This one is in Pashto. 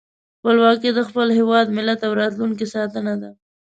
خپلواکي د خپل هېواد، ملت او راتلونکي ساتنه ده.